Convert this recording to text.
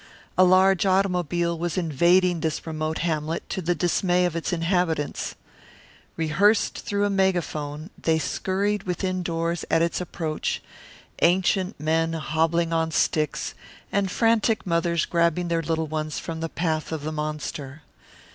A large automobile was invading this remote hamlet to the dismay of its inhabitants. Rehearsed through a megaphone they scurried within doors at its approach, ancient men hobbling on sticks and frantic mothers grabbing their little ones from the path of the monster.